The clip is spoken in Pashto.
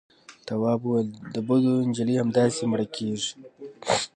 تواب وويل: د بدو نجلۍ همداسې مړه کېږي.